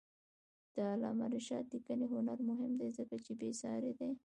د علامه رشاد لیکنی هنر مهم دی ځکه چې بېسارې دی.